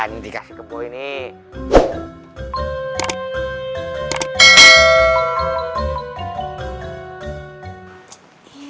nanti kasih ke boy nih